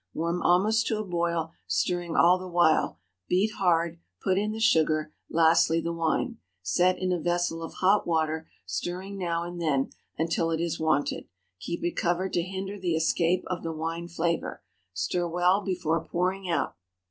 Warm almost to a boil, stirring all the while; beat hard, put in the sugar, lastly the wine. Set in a vessel of hot water stirring now and then, until it is wanted. Keep it covered to hinder the escape of the wine flavor. Stir well before pouring out.